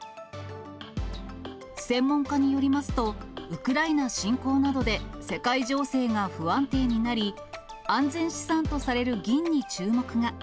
専門家によりますと、ウクライナ侵攻などで世界情勢が不安定になり、安全資産とされる銀に注目が。